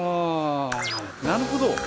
なるほど！